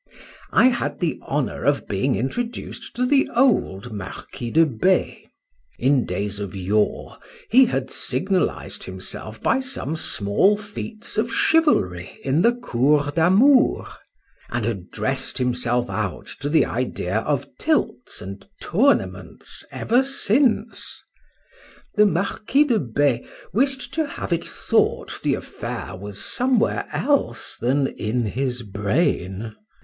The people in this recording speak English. I had the honour of being introduced to the old Marquis de B—: in days of yore he had signalized himself by some small feats of chivalry in the Cour d'Amour, and had dress'd himself out to the idea of tilts and tournaments ever since.—The Marquis de B— wish'd to have it thought the affair was somewhere else than in his brain.